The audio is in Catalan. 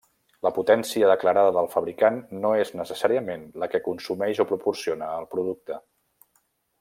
La potència declarada pel fabricant no és necessàriament la que consumeix o proporciona el producte.